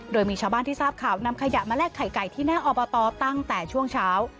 โดยมีชาวบ้านที่ทราบข่าวนำขยะมาแลกไข่ไก่ที่หน้าอบตตั้งแต่ช่วงเช้า